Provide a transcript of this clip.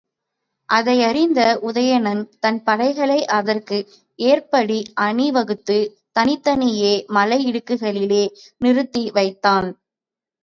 அதையறிந்த உதயணன் தன் படைகளை அதற்கு ஏற்றபடி அணி வகுத்துத் தனித்தனியே மலை இடுக்குகளிலே நிறுத்தி வைத்தான்.